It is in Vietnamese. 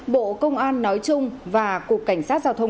bộ công an nói chung và cục cảnh sát giao thông